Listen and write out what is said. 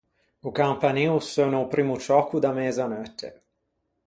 O campanin o seunna o primmo ciòcco da mëzaneutte.